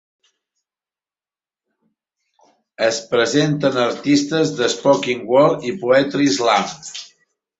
Es presenten artistes de Spoken Word i Poetry Slam.